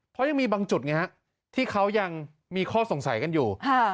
เพราะยังมีบางจุดไงฮะที่เขายังมีข้อสงสัยกันอยู่